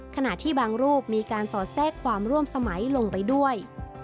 ขณะที่บางรูปมีการสอดแทรกความร่วมสมัยลงไปด้วย